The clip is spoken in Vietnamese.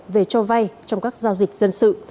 về cho vay trong các giao dịch dân sự